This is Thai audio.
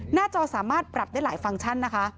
หน้าจอสามารถปรับได้หลายฟังก์ชัน